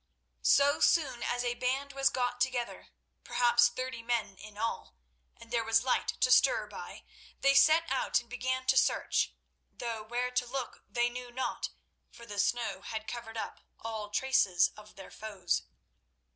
So soon as a band was got together—perhaps thirty men in all—and there was light to stir by, they set out and began to search, though where to look they knew not, for the snow had covered up all traces of their foes.